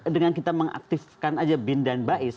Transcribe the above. dengan kita mengaktifkan aja bin dan bais